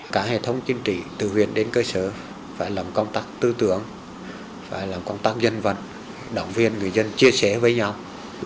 cả hệ thống chính trị từ huyện đến cơ sở phải làm công tác tư tưởng phải làm công tác dân vận động viên người dân chia sẻ với nhau